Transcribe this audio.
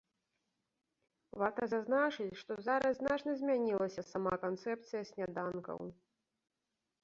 Варта зазначыць, што зараз значна змянілася сама канцэпцыя сняданкаў.